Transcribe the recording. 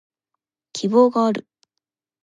希望がある